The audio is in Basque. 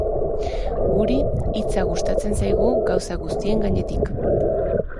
Guri hitza gustatzen zaigu gauza guztien gainetik.